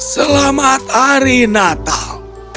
selamat hari natal